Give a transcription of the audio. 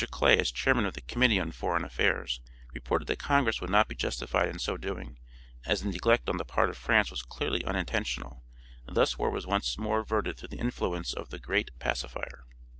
Clay, as chairman of the Committee on Foreign Affairs, reported that Congress would not be justified in so doing, as the neglect on the part of France was clearly unintentional, thus war was once more averted through the influence of the 'great pacifier.'